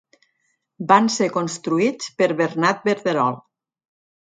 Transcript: Van ser construïts per Bernat Verderol.